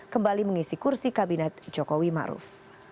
kembali mengisi kursi kabinet jokowi maruf